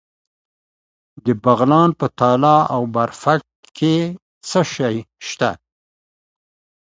د بغلان په تاله او برفک کې څه شی شته؟